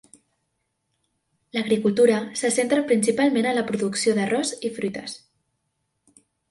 L'agricultura se centra principalment en la producció d'arròs i fruites.